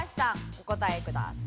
お答えください。